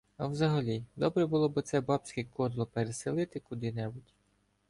А взагалі, добре було б оце бабське кодло переселити куди-небудь.